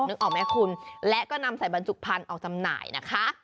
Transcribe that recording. นึกออกไหมคุณและก็นำใส่บรรจุพันธุ์ออกจำหน่ายนะคะ